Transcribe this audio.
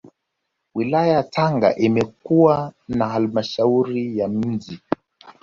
Wilaya ya Tanga imekuwa na Halmashauri ya Mji